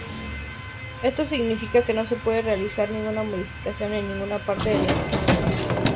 Esto significa que no se puede realizar ninguna modificación en ninguna parte del edificio.